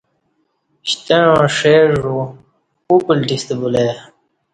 شتہ عاں ݜی ژو اُپلٹی ستہ بلہ ای